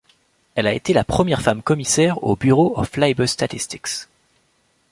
Elle a été la première femme commissaire au Bureau of Labor Statistics.